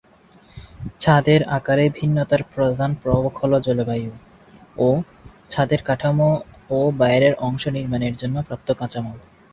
ছাদের আকারে ভিন্নতার প্রধান প্রভাবক হল জলবায়ু ও ছাদের কাঠামো ও বাইরের অংশ নির্মাণের জন্য প্রাপ্ত কাঁচামাল।